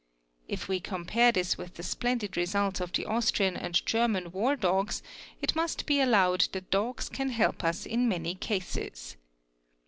If we / compare this with the splendid results of the Austrian and German war i logs, it must be allowed that dogs can help usin many cases.